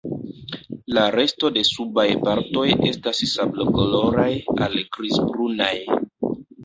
La resto de subaj partoj estas sablokoloraj al grizbrunaj.